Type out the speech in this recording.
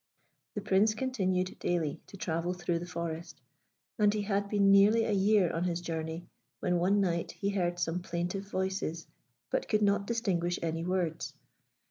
The Prince continued daily to travel through the forest, and he had been nearly a year on his journey, when one night he heard some plaintive voices, but could not distinguish any words.